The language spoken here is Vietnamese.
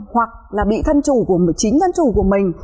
hoặc là bị thân chủ của chính thân chủ của mình